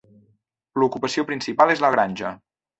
L'ocupació principal és la granja.